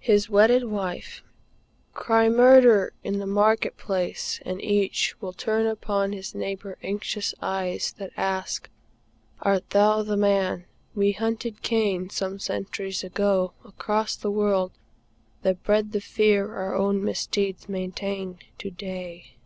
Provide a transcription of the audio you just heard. HIS WEDDED WIFE. Cry "Murder!" in the market place, and each Will turn upon his neighbor anxious eyes That ask: "Art thou the man?" We hunted Cain, Some centuries ago, across the world, That bred the fear our own misdeeds maintain To day.